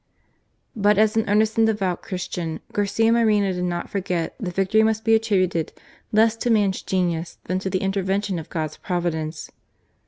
But as an earnest and devout Christian, Garcia Moreno did not forget that victory must be attributed less to man's genius than to the intervention of God's Providence.